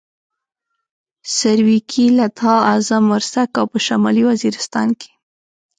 سرویکي، لدها، اعظم ورسک او په شمالي وزیرستان کې.